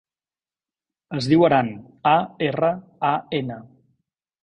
Es diu Aran: a, erra, a, ena.